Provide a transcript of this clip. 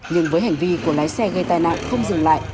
nhưng với hành vi của lái xe gây tai nạn không dừng lại